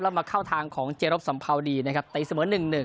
แล้วมาเข้าทางของเจรบสัมภาวดีนะครับตีเสมอ๑๑